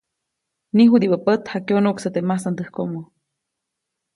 Niʼjudibä pät jakyonuʼksä teʼ masandäjkomo.